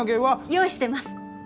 用意してます。